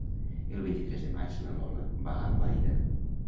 El vint-i-tres de maig na Lola va a Albaida.